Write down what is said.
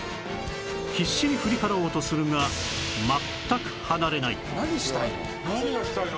必死に振り払おうとするが何したいの？